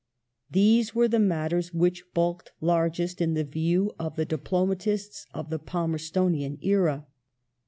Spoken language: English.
These were the matters which bulked largest in the view of the diplomatists of the Palmerstonian era.